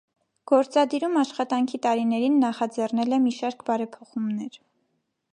Գործադիրում աշխատանքի տարիներին նախաձեռնել է մի շարք բարեփոխումներ։